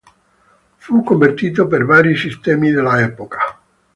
Fu convertito per vari sistemi dell'epoca.